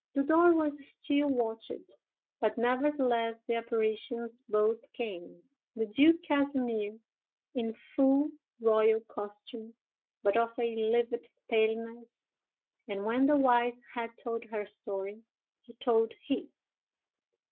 The door was still watched, but nevertheless the apparitions both came, the Duke Casimer in full royal costume, but of a livid paleness; and when the wife had told her story, he told his.